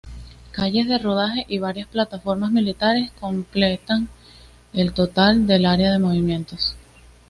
Calles de rodaje y varias plataformas militares completan el total del área de movimientos.